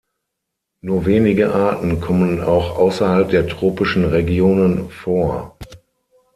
Nur wenige Arten kommen auch außerhalb der tropischen Regionen vor.